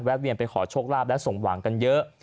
เวียนไปขอโชคลาภและสมหวังกันเยอะ